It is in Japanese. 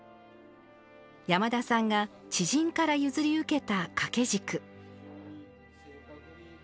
山田さんが知人から譲り受けた掛け軸。